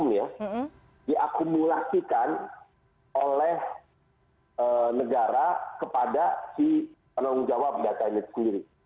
jadi ini adalah satu hal yang harus di akumulasikan oleh negara kepada si penanggung jawab data ini sendiri